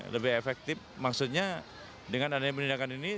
lebih efektif maksudnya dengan adanya penindakan ini